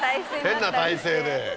変な体勢で。